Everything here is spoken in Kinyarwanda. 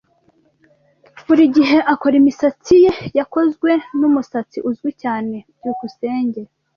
Buri gihe akora imisatsi ye yakozwe numusatsi uzwi cyane. byukusenge